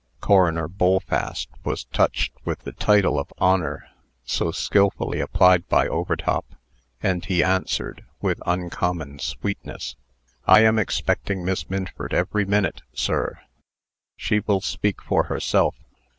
Coroner Bullfast was touched with the title of Honor, so skilfully applied by Overtop; and he answered, with uncommon sweetness: "I am expecting Miss Minford every minute, sir. She will speak for herself.